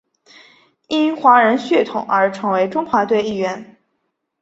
因华人血统而成为中华队一员。